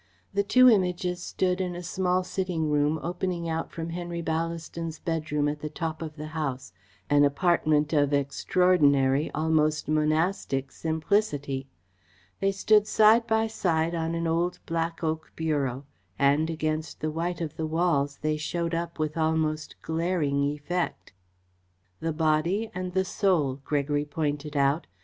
The two Images stood in a small sitting room opening out from Henry Ballaston's bedroom at the top of the house; an apartment of extraordinary, almost monastic simplicity. They stood side by side on an old black oak bureau, and against the white of the walls they showed up with almost glaring effect. "The Body and the Soul," Gregory pointed out.